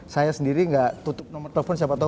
saya sendiri nggak tutup nomor telepon siapa tau